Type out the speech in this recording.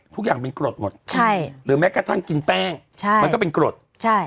ทุกอย่างเป็นกรดหมดใช่หรือแม้กระทั่งกินแป้งใช่มันก็เป็นกรดใช่